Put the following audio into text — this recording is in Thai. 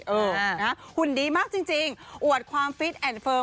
เออนะหุ่นดีมากจริงอวดความฟิตแอนดเฟิร์ม